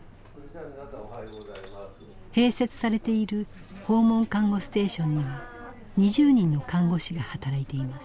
併設されている訪問看護ステーションには２０人の看護師が働いています。